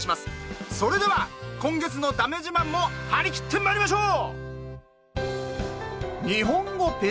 それでは今月の「だめ自慢」も張り切ってまいりましょう！